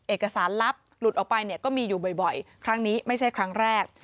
เอกสารลับหลุดออกไปเนี่ยก็มีอยู่บ่อยครั้งนี้ไม่ใช่ครั้งแรก